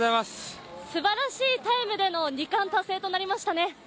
すばらしいタイムでの２冠達成となりましたね。